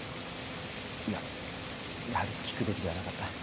いややはり聞くべきではなかった。